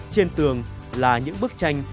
trên tường là những bức tranh